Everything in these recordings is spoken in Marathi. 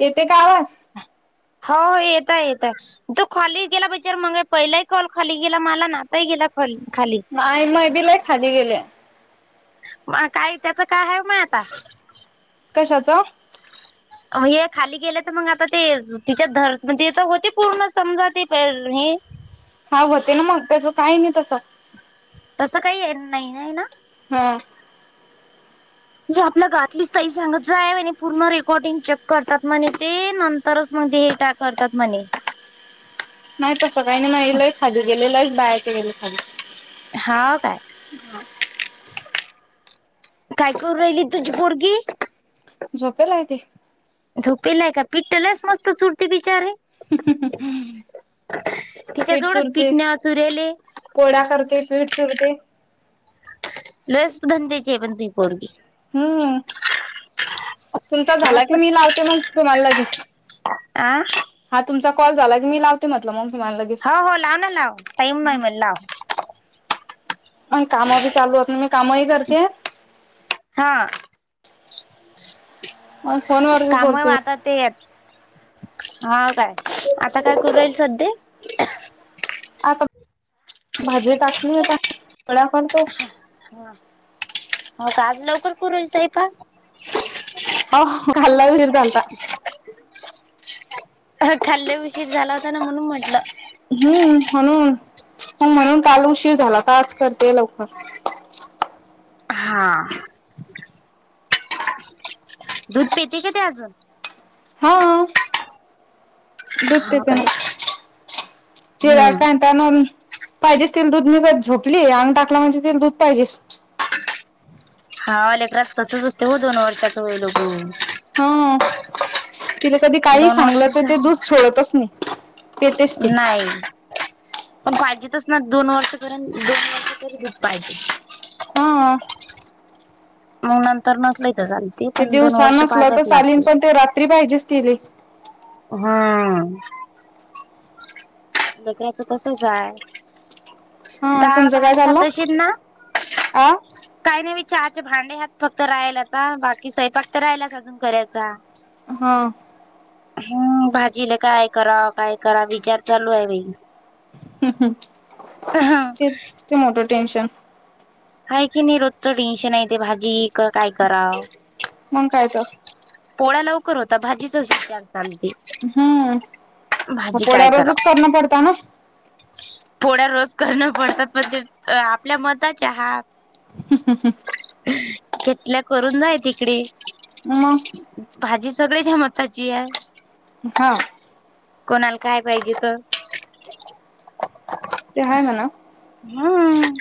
येते का आवाज? हा येताय येताय. तो खाली गेला बिचार मग पहिलाही कॉल खाली गेला मला आनाताही गेला खोल खाली. नाय मय बी लय खाली गेल्या. म काय त्याच काय हाय माय आता? कशाचं? हे खाली गेले त मग आता ते तिच्या धर म्हणजे तर होते पूर्ण समजा ते हे. हा होते ना मग त्याचं काय नाय तस. तसं काय नाही नाय आहे ना? हम्म. जे आपला गातलीच ताई सांगत जाय म्हने पूर्ण रेकॉर्डिंग चेक करतात म्हणे ते न तरच मग ते हे टा करतात म्हणे. नाय तसं काही नाह माये लय खाली गेलेलं बाहेरचे गेले खाली. हाव काय? [unintelligible] काय करू राहिली तुजी पूरगी? झोपेलाय ती. झोपेलाय का पीठ्ठलच मस्त चुरती बिचारी. तिच्या पीठ जवळच चुरते पिटण्याचुरेले. पोळ्या करते पीठ चुरते. लयच धंद्याचीय पण ती पोरगी. हम्म तुमचा झाला की मी लावते मगं तुम्हाला लगेच. आं हा तुमचा कॉल झाला की, मी लावते म्हटलं मग तुम्हाला लगेच. हो हो, लाव ना लाव. टाईम नाही मं लाव. माझी कामं बी चालू आहेत, मी कामही करतिये. हा. आणि फोनवर बी कामही [inaudible] बोलते हा, काय? आता काय करून राहिली सध्या? आता भाजी टकली आहे, आता पोळ्या करतो. हा, हो का? आज लवकर सुरू आहे स्वयंपाक? हो [inaudible] काल लय उशीर झाला होता ना? म्हणून म्हटलं. हम्म, म्हणून, पण म्हणून काल उशीर झाला होता, आज करतीये लवकर. हा. दूध पिती की ती अजून? हा. दुधे हा पिते काय ना. चिराय हम्म कां [inaudible] पाहिजेच तिला दूध म्हणून झोपलीये, अंग टाकलं म्हणजे तिला दूध पाहिजेच. हा, लेकराचं तसंच असतंय हो दोन वर्षाचं होई [unintelligible] हा. तिला कधी काही दोन सांगलं वर्षात तर ते झालं दूध सोडतच नाही पितेच ती. नाही. पण पाहिजेतच ना, दोन वर्षापर्यंत-दोन वर्ष तरी दूध पाहिजे. हा. मग नंतर नसलं तरी चालेल. ते दिवसा नसलं तर चालेल, पण ते रात्री पाहिजेच तिले. हा, लेकराचं तसंच हाय. हा तुमचं डाळ-भात काय खात चाललं अशील ना? आ काही नाही, मी चहाचे भांडे ह्यात फक्त राहीले आता, बाकी स्वयपाक तर राहिलाच अजून करायचा. हा. हम्, भाजीला काय करावं, काय करावं, विचार चालू आहे बाई. हम, तेच, ते मोठं टेन्शन आहे की नाही रोजचं टेन्शन आहे ते भाजी काय करावं? मंग काय तर? पोळ्या लवकर होतात, भाजीचाच विचार चालते. हम्म, मं भाजी काय पोळ्या रोजच कराव करणं पडतं ना? पोळ्या रोज करणं पडतात पण ते आपल्या मताच्या हा- ह् हम ह्ं. इथल्या करून जाइन तिकडे. मं? भाजी सगळ्याच्या मताची आहे. हा. कोणाला काय पाहिजे तर? ते हाय म्हणा. हा.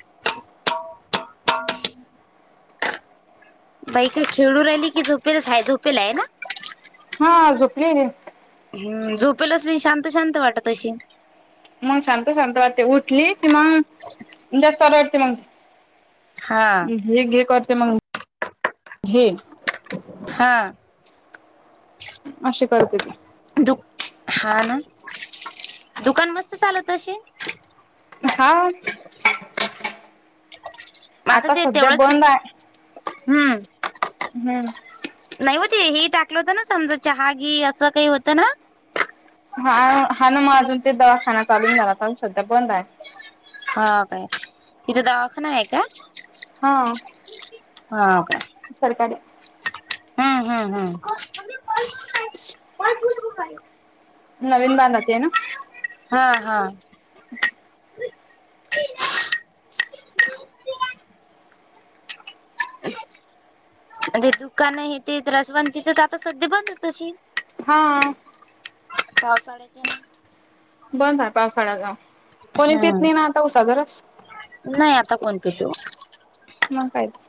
बाई का खेळु राहिली की झोपेलेच हाय झोपेला आहे ना. हा झोपलीय ती. हम्म.. झोपेल असली की शांत शांत वाटत अशीन. मग शांत शांत वाटते. उठली कि मग जास्त रडते मग, हा. घे-घे करते मग, घे. हा अशी करते ती. दु हा ना, दुकान मस्त चालत असीन. हा. म आता ते सध्या तेवढच. बंद आहे हम्म हम्म. नाही हो, ते हे टाकल होत ना, समजा चहागी अस काही होत ना. हा -हा ना मग अजून ते दवाखाना चालू नाही झाला अजून सध्या बंद आहे. हा काय तिथ दवाखाना आहे का? हा, हा काय? सरकारी हम्म हम्म हम्. [inaudible] नवीन बांधत हे ना. हा -हा ते दुकान आहे. ते रसवंतीची आता सध्या बंदच अशीन. हा. पावसा [unintelligible] बंद आहे पावसाळ्याच. कोणी पीत हम्म. नाही ना, आता उसाचा रस. नाही आता कोण पितो. मग काय तर,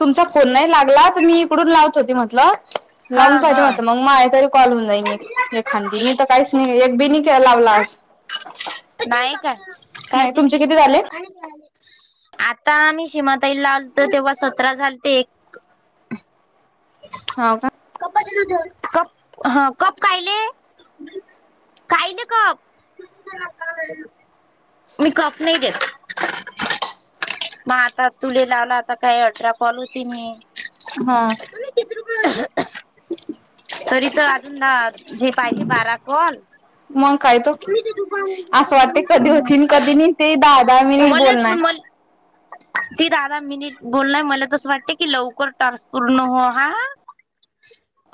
तुमचा फोन नाही लागला तर मी इकडून लावत होती म्हटल हा लावून पाहती हा. म्हटल मग माये तरी- कॉल होऊ जाईन एखांदी. मी तर काहीच नाही एक बी नाही लावला आज. नाही का काय नाही तुमचे देत किती झाले आता आम्ही सीमाताई लावलतो तेव्हा सतरा झालते. हो का कप [unintelligible] हा कप कायले? कायले कप? मी कप नाही घेत. मग आता तुले लावला आता काही अठरा कॉल होतील नी. - हा तरी तर, अजून दहा हे पाहिजे बारा कॉल. मग काय तो असं वाटते कधी होतीन कधी नाही ते दहा दहा मिनिट मलेच बोलणार मल ती दहा-दहा मिनिट बोलणार. मला तस वाटते की लवकर टास्क पूर्ण हो हा.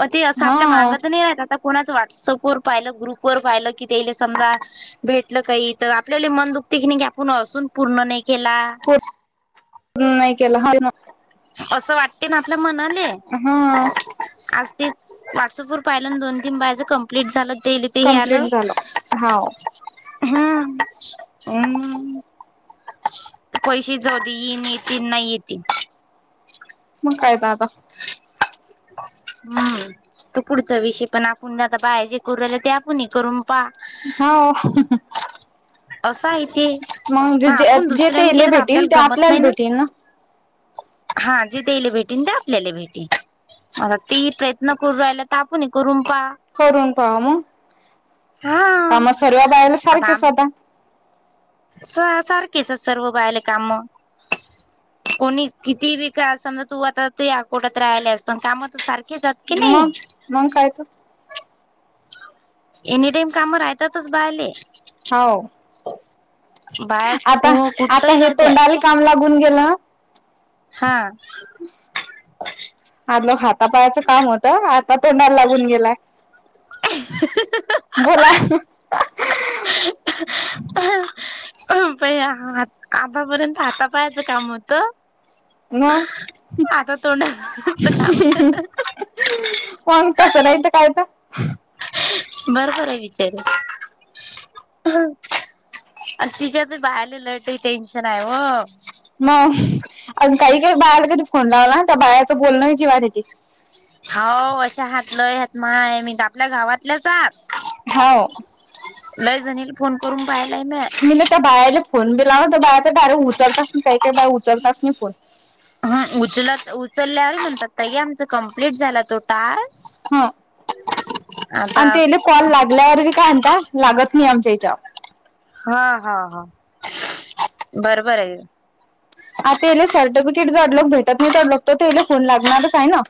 अ. ते अस आपल्या हा मागत नाही आता कोणाच व्हॉटसअप वर पाहिल, ग्रुप वर पाहिल कि तेले समजा. भेटल काही, तर आपल्याला मन दुखते की नाही की, आपण असून पूर्ण नाही केला. हम्.. नाही केला. हा ना! अस वाटते ना, आपल्या मनाले. हा आज ते व्हॉट्सअप वर पाहिल्या न दोन-तीन बायांच कंप्लीट झाल ते ते हे कम्प्लीट आलं झालं हाव हम्मं हमं पैसेच जाऊंदेत येईन येेतं नाहीं येेती. मंग कायं तं आंता हम्मं तो पुढचां विषय पणं आपणं आंता बायां जे करूं राहीले ते आपणंही करूं. पां हांव असं आहे ते मग जे पणं आपणं जे दुसऱ्यांनी तेले केलं तरं भेटीन ते आपल्यांला गंमत आपल्याला नाहीं नां भेटीन ना ते हां जे तेल्यां भेटेन ते आपल्यांला भेटेन. आंता तेही प्रयत्न करूं राहायलां तरं आपणंही करुंण पहां. करूंन पहां मंग.... हा कामं सर्व बायाला साखरेचं आंता. स-सारखेचं सर्व बायांनले कामं. कोणी किती बी कां समजा तूं आंता ते अकोटांत राहियला असं पणं कामं तरं सारखे घेतांत की नाहीं मंग कायं तं एनी टाईम कामं राहतांतच बायाले. हो.. बाया आंता. आंता कुठतही हे राहत्या तोंडारी कामं लागूंन गेलं नं. हां [unintelligible] आलों हातापायाचं कामं होतं आंता तोंडाला लागूंन गेलाय. हां.. हां बोलां हां.. हां! बयां... आंतापर्यंत हातापायाचं कामं होतं मंग आता तोंडाच काम पणं तसं नाहीं ते कांयतं बरोबर आहे विचारूं. तिच्यांत बाहेरले लंय टेन्शन आहे हो.. मंग अं कांहीं कांहीं बायाले कधीं फोन लावलां तरं बायाचं बोलणंची पणं जिवारं येते हो.... अशा हातलं हांत मायं. मी आपल्यां गांवातलेच आंत हांव लंय जणीला फोन करूंन पाहालाय मी. मी नां त्यां बायाला फोन बि लावलां तरं बांया तरं डायरेक्ट उचलतंच नाहीं. कांहीं कांहीं बांया उचलंत नाहीं फोन. हं.. उचलत-उचलल्यांवर म्हणतांत ताई आमचां कम्प्लीट झांला तो टास्क. हां... आता आणि तेले कॉल लागल्यांवर कायं म्हंनतांत लागतं नाहीं आमच्यां हिच्यावर. हां.. हां.. हां, बरोबर आहे. आंता इले सर्टिफिकेट जडं लोकं भेटतं नाहीं तरं लोकं तो तेले फोन लागणांरच आहे नां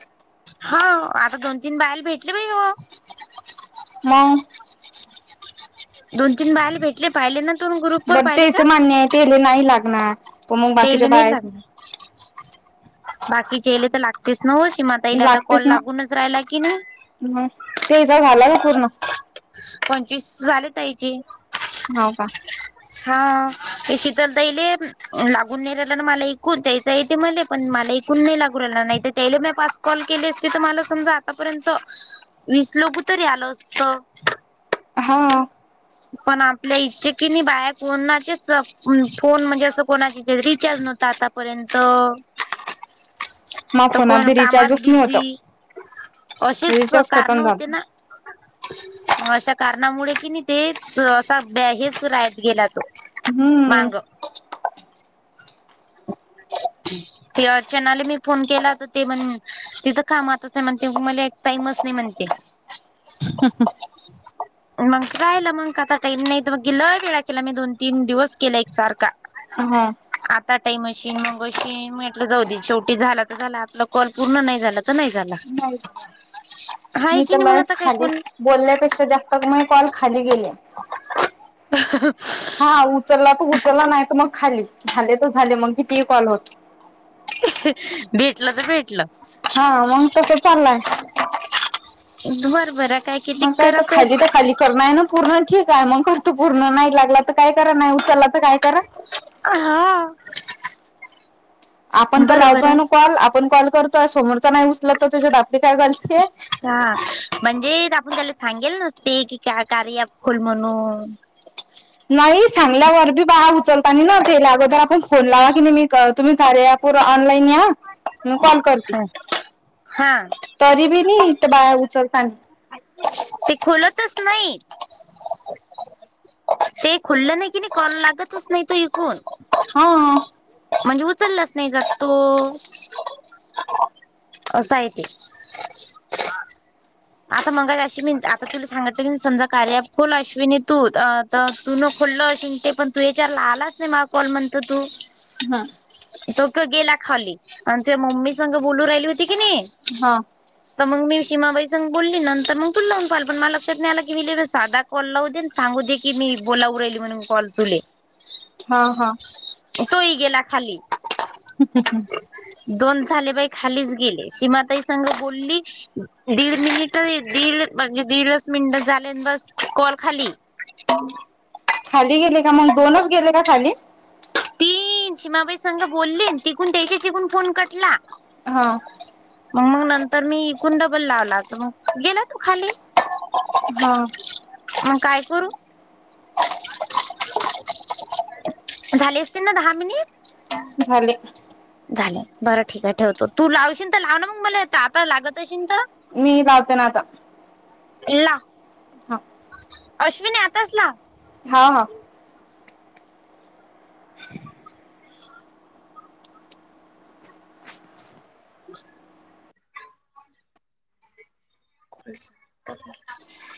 हो. आंता दोन-तीनं बाईल भेटली बाई ओ. मंग दोन-तीन बाईला भेटले. पाहिले नां तुम्हीं ग्रुप वरं बर पाहिले तेच कां मान्य आहे तेले नाहीं लागणारं. तेले नाहीं लागणारं, बाकीचेले तरं लागतेचं नं हो शिम त्यांनले आंता कॉल लागतेच ना लागूंनच राहिला कि नाहीं. मग तेचा झाला का पूर्ण पंचवीस झांले ते यांचे हांव कां हां शीतल ताई ले लागूंन नाहीं राहिला नां मलां कूंन त्यांयचं आहे ते मलां पणं मलां कूंन नाहीं लागूं राहिला नाहीं तरं त्यांला मं पांच कॉल केले असते तर मला समजा आतापर्यंत वीस लोक तरी आलं असत. हा. पण आपल्या ईथे कीनी बाया कोणाचेच फोन म्हणजे असं- कोणाची तर रिचार्ज नव्हत आतापर्यंत. मग तर फोनात कोण बी कामात रिचार्जच नाही होत बिझी. अशीच रिचार्ज कारणं खतम होते ना? झालत अशा कारणामुळे कि नाही ते- सध्या हेच राहत गेला तो हम्म मांग. ते अर्चनाला मी फोन केला तर ते म्हण- ति तर कामातच आहे म्हणते. मला एक टाइमच नाही म्हणते. ह मग राहील मग. आता टईम नाही तर मग लय वेळा केला मी दोन तीन दिवस केला एकसारखा. हा. ता टाईम अशीन मग अशीन. म्हटलं जाऊ दे शेवटी झाला तर झाला आपला कॉल पूर्ण नाही झाला तर नाही. झाला. नाही झाला. हाय मी की तर नाही मग आता [unintelligible] काय खाली कोण बोलल्यापेक्षा जास्त म कॉल खाली गेलेया. ह हा. उचलला तर उचलला नाही तर मग खाली. झाले तर झाले मग कितीही कॉल होवोत. भेटलं तर भेटलं. हा मग तस चाललाय बर बर. मग काय तर खाली तर खाली. तर नाही ना पूर्ण ठीक आहे. मग करतो पूर्ण नाही लागला तर काय करा? नाही उचलला तर काय करा? हा. आपण तर बरोबर लावतोय आहे. ना कॉल? आपण कॉल करतोय. समोरचा नाही उचलत तर त्याच्यात आपली काय गलती आहे? हा. म्हणजे आपण त्याला सांगेल नसते की का कार्या ऍप खोल म्हणून. नाही सांगल्यावर बी बाया उचलता नाही ना. ते अगोदर आपण फोन लावा की नाही मी तुम्ही कार्या - वर ऑनलाइन या. म कॉल करते. हा हा. तरी बी नाही ईथ बाया उचलता नाही. ते खोलतच नाही. ते खुल्लं नाही कि नाही कॉल लागतच नाही तो इकून. हा म्हणजे उचललाच नाही जात तो. असं आहे ते. आता मगा अश्विनी आता तुला सांगितल की समजा कार्या ऍप खोल अश्विनी तू. तर तू न खोललं अशिल ते पण तूझ्या ह्याच्याावर आलाच नाही मा कॉल म्हणते तू. हम्म. तो त गेला खाली. आणि ते मम्मी संग बोलू राहिली होती की नाही? हा. तर मग मी शीमाबाई- बोलली. नंतर मग तुला लावून पाहिला. पण मला लक्षात नाही आला की हिला साधा कॉल लावू दे न सांगू दे- की मी बोलाउ राहिली म्हणून कॉल तुले. हा हा. तो ही गेला खाली. ह् ह ह दोन खाली बाई खालीच गेले. शीमाताई संग बोलली- दीड मिनिट, दीड म्हणजे दीडच मिनिट झाले. अन बस कॉल खाली. [unintelligible] खाली गेले का मग? दोनच गेले का खाली? ती सीमाबाई संघ बोलली तिकून त्याच्या तिकून फोन कटला. हा. मग नंतर मी एकूण डबल लावला मग गेले खाली. हा. मग काय करू? [unintelligible] झाले असतील ना दहा मिनिट? झाले. झालं, बरं ठीक आहे ठेवतो, तू लावशील तर लाव ना मग मला येत आता लागत अशील तर. मी लावत ना आता. इला. हा. अश्विन आताच लाव. हा हा. [inaudible] [unintelligible] [unintelligible]